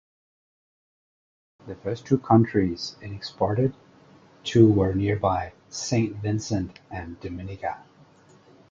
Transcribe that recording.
The first two countries it exported to were nearby, Saint Vincent and Dominica.